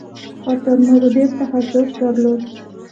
هغه تر نورو ډېر تخصص درلود.